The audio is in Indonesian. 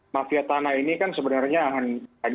mafia tanah ini kan sebenarnya akan